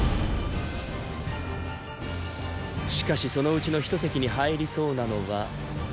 しかしそのうちの一席に入りそうなのは。